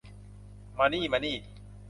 มานี่ มานี่